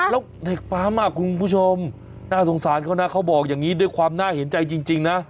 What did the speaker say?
แล้วเด็กปั๊มคุณผู้ชมน่าสงสารเขานะเขาบอกอย่างนี้ด้วยความน่าเห็นใจจริงนะ